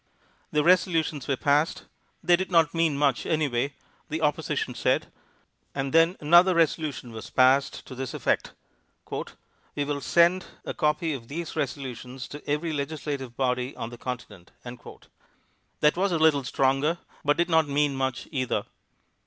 The resolutions were passed: they did not mean much anyway, the opposition said. And then another resolution was passed to this effect: "We will send a copy of these resolutions to every legislative body on the continent." That was a little stronger, but did not mean much either.